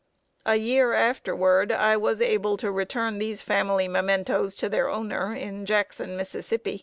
A year afterward I was able to return these family mementoes to their owner in Jackson, Mississippi.